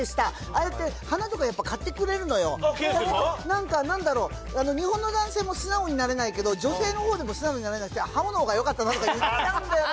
あれって、花とかやっぱ、買って健介さん？なんかなんだろう、日本の男性も素直になれないけど、女性のほうでも素直になれなくて、刃物のほうがよかったなって言っちゃうんじゃよな。